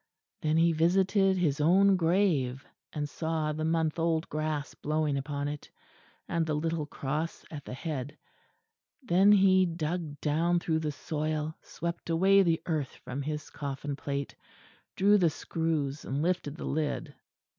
Then he visited his own grave, and saw the month old grass blowing upon it, and the little cross at the head; then he dug down through the soil, swept away the earth from his coffin plate; drew the screws and lifted the lid....